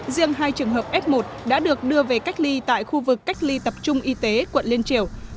riêng hai trường hợp f một đã được đưa về cách ly tại khu vực cách ly tập trung y tế quận liên triều